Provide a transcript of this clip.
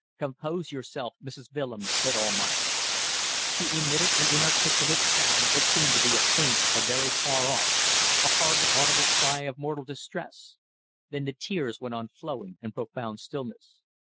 "Compose yourself, Mrs. Willems," said Almayer. She emitted an inarticulate sound that seemed to be a faint, a very far off, a hardly audible cry of mortal distress. Then the tears went on flowing in profound stillness.